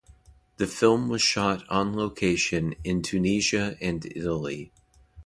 The film was shot on location in Tunisia and Italy.